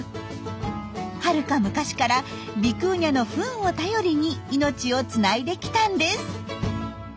はるか昔からビクーニャのフンを頼りに命をつないできたんです。